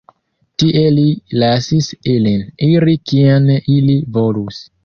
Tie li lasis ilin iri kien ili volus.